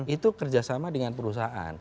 itu kerjasama dengan perusahaan